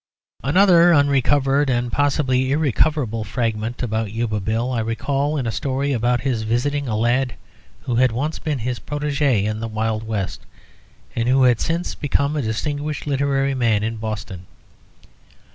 Another unrecovered and possibly irrecoverable fragment about Yuba Bill, I recall in a story about his visiting a lad who had once been his protége in the Wild West, and who had since become a distinguished literary man in Boston.